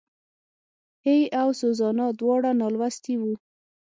هېي او سوزانا دواړه نالوستي وو.